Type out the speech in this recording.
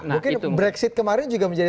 mungkin brexit kemarin juga menjadi